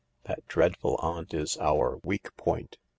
"That dreadful aunt is our weak point.